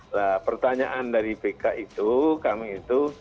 nah pertanyaan dari bk itu kami itu